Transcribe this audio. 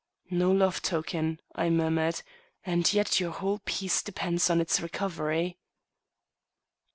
"No love token," I murmured, "and yet your whole peace depends on its recovery."